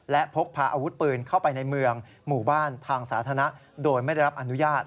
และพกพาอาวุธปืนเข้าไปในเมืองหมู่บ้านทางสาธารณะโดยไม่ได้รับอนุญาต